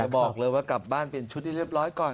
บอกเลยว่ากลับบ้านเป็นชุดที่เรียบร้อยก่อน